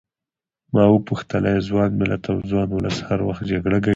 ما وپوښتل ایا ځوان ملت او ځوان ولس هر وخت جګړه ګټي.